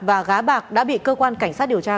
và gá bạc đã bị cơ quan cảnh sát điều tra